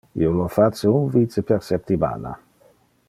Io lo face un vice per septimana.